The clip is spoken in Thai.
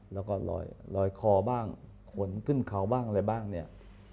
แล้วก็ลอยคอบ้างขนขึ้นเขาบ้างอะไรบ้างเนี่ย